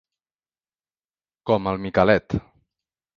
Com el Micalet.